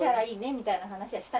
みたいな話はした。